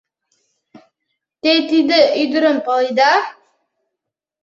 — Те тиде ӱдырым паледа?